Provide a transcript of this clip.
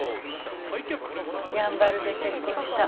「やんばるで結婚した。